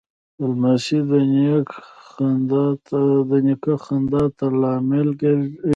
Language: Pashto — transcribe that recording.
لمسی د نیکه خندا ته لامل کېږي.